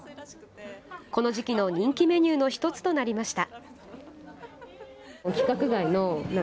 この時期の人気メニューの１つとなりました。